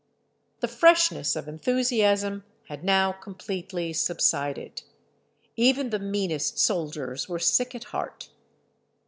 The freshness of enthusiasm had now completely subsided; even the meanest soldiers were sick at heart.